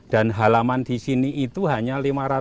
dan halaman di sini itu hanya lima ratus dua puluh tiga